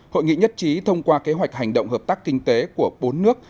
hội nghị nhất trí thông qua kế hoạch hành động hợp tác kinh tế của bốn nước